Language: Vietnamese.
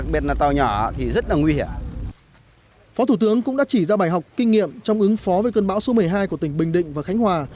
phó thủ tướng cũng đã chỉ ra bài học kinh nghiệm trong ứng phó với cơn bão số một mươi hai của tỉnh bình định và khánh hòa